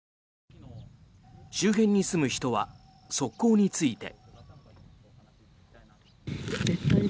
周辺に住む人は側溝について。